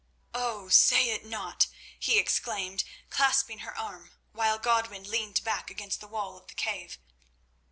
"Oh, say it not!" he exclaimed, clasping her arm, while Godwin leaned back against the wall of the cave.